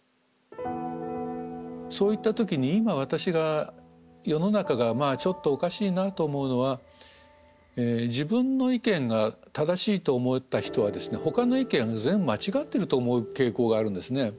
そういった時に今私が世の中がちょっとおかしいなと思うのは自分の意見が正しいと思った人はですねほかの意見は全部間違ってると思う傾向があるんですね。